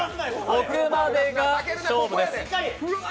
置くまでが勝負です。